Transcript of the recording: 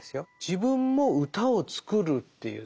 自分も歌を作るっていう。